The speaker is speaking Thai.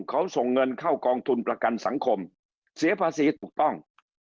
เขาส่งเงินเข้ากองทุนประกันสังคมเสียภาษีถูกต้อง